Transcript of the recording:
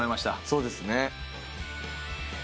そうですね。